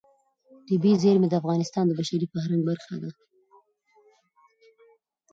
طبیعي زیرمې د افغانستان د بشري فرهنګ برخه ده.